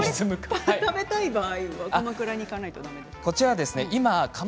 食べたい場合は鎌倉に行かないとだめですか。